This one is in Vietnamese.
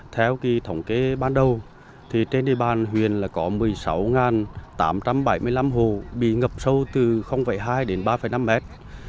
theo thống kế ban đầu trên địa bàn huyện có một mươi sáu tám trăm bảy mươi năm hồ bị ngập sâu từ hai đến ba năm mét